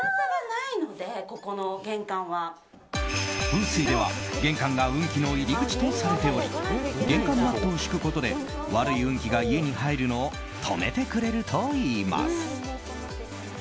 風水では、玄関が運気の入り口とされており玄関マットを敷くことで悪い運気が家に入るのを止めてくれるといいます。